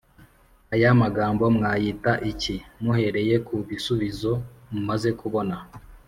Aya magambo mwayita iki muhereye ku bisubizo mumaze kubona